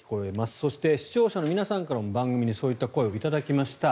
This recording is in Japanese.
そして、視聴者の皆さんからも番組にそういった声を頂きました。